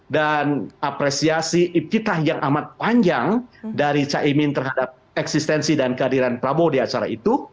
dan apresiasi kita yang amat panjang dari caimi terhadap eksistensi dan kehadiran prabowo di acara itu